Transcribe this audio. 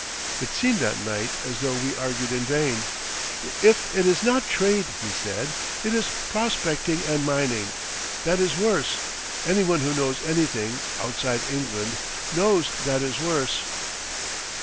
It seemed that night as though we argued in vain. "If it is not trade," he said, "it is prospecting and mining. That is worse. Any one who knows anything—outside England—knows that is worse."